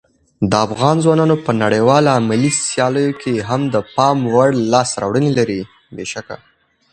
افغان ځوانان په نړیوالو علمي سیالیو کې هم د پام وړ لاسته راوړنې لري.